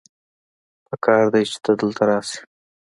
پکار دی چې ته دلته راسې